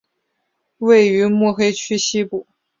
位于目黑区西部。